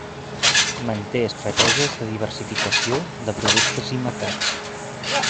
Manté estratègies de diversificació de productes i mercats.